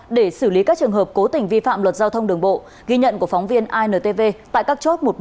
để xử lý các trường hợp cố tình vi phạm luật giao thông đường bộ ghi nhận của phóng viên intv tại các chốt một trăm bốn mươi